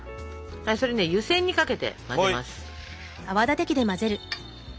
それね湯せんにかけて混ぜます。